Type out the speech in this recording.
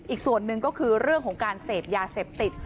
อีกส่วนหนึ่งก็คือเรื่องของการเสพยาเสพติด